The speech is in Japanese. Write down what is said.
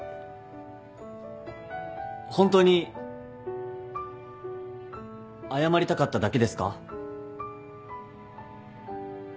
ホントに謝りたかっただけですか？